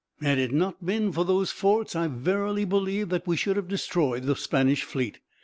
Had it not been for those forts, I verily believe that we should have destroyed the Spanish fleet.